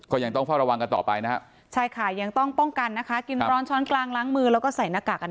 ก็ยังต้องเฝ้าระวังกันต่อไปนะครับใช่ค่ะยังต้องป้องกันนะคะ